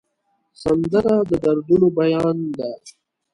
سندره د دردونو بیان ده